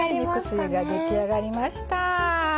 「肉吸い」が出来上がりました。